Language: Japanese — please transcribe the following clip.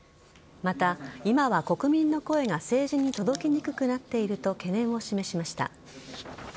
また、今は国民の声が政治に届きにくくなっていると懸念を示しました。